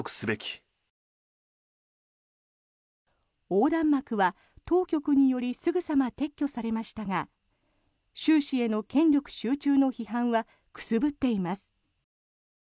横断幕は当局によりすぐさま撤去されましたが習氏への権力集中の批判はくすぶっています。